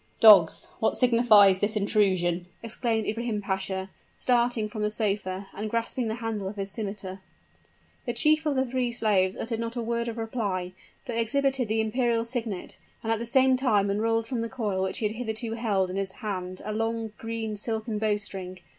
"Dogs! what signifies this intrusion?" exclaimed Ibrahim Pasha, starting from the sofa, and grasping the handle of his scimiter. The chief the three slaves uttered not a word of reply, but exhibited the imperial signet, and at the same time unrolled from the coil which he had hitherto held in his hand a long green silken bowstring.